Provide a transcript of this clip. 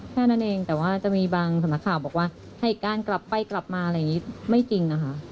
แค่นั้นเองแต่ว่าจะมีบางสำนักข่าวบอกว่าให้การกลับไปกลับมาอะไรอย่างนี้ไม่จริงนะคะ